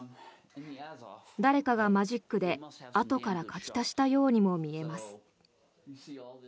誰かがマジックであとから描き足したようにも見えます。